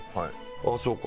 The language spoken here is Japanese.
「ああそうか。